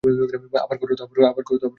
আবার করো তো।